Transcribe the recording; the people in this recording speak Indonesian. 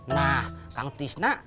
nah kang tisna